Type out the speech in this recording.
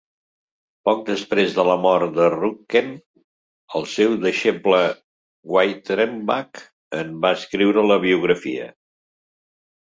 Poc després de la mort de Ruhnken, el seu deixeble Wyttenbach en va escriure la biografia.